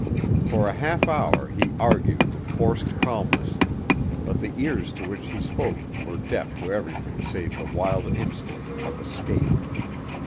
For a half hour he argued with forced calmness, but the ears to which he spoke were deaf to everything save the wild instinct of escape.